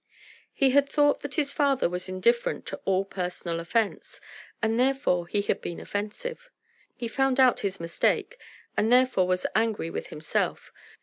He had thought that his father was indifferent to all personal offence, and therefore he had been offensive. He found out his mistake, and therefore was angry with himself.